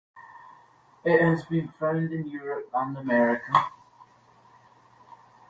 It has been found in Europe and America.